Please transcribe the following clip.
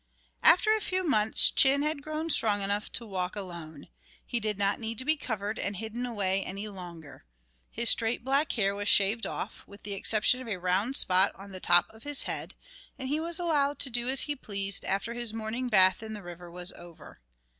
After a few months, Chin had grown strong enough to walk alone. He did not need to be covered and hidden away any longer. His straight black hair was shaved off, with the exception of a round spot on the top of his head, and he was allowed to do as he pleased after his morning bath in the river was over.